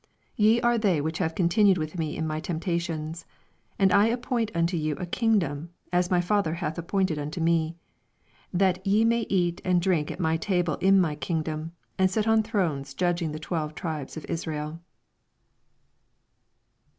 2d Ye are they which have eon tinned with me in my tempations. 29 And I appoint unto you a king dom, as my Father hath appointed unto me ; 80 That ye may eat and drink at my table in my kmgdom, and sit on thrones judging the twelve tribes of Israel.